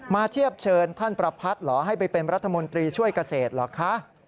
เทียบเชิญท่านประพัทธ์เหรอให้ไปเป็นรัฐมนตรีช่วยเกษตรเหรอคะ